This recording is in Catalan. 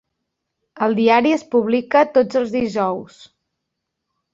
El diari es publica tots els dijous.